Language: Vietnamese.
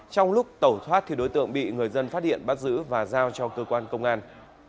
trong lúc tẩu thoát đối tượng bị người dân phát hiện bắt giữ và giao cho cơ quan công an